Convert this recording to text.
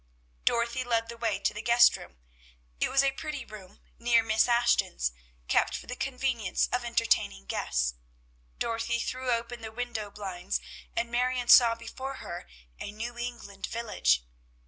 Dorothy led the way to the guest room. It was a pretty room near Miss Ashton's, kept for the convenience of entertaining guests. Dorothy threw open the window blinds, and Marion saw before her a New England village.